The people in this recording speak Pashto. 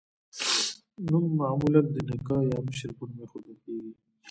نوم معمولا د نیکه یا مشر په نوم ایښودل کیږي.